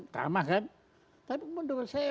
ramah kan tapi menurut saya